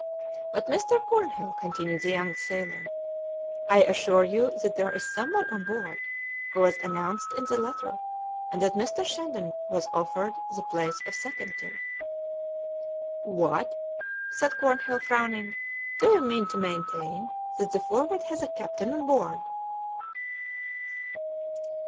"But, Mr. Cornhill," continued the young sailor, "I assure you that there is someone on board who was announced in the letter, and that Mr. Shandon was offered the place of second to." "What!" said Cornhill, frowning, "do you mean to maintain that the Forward has a captain on board?"